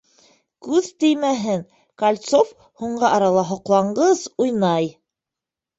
Күҙ теймәһен, Кольцов һуңғы арала һоҡланғыс уйнай.